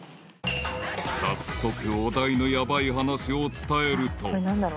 ［早速お題のヤバい話を伝えると］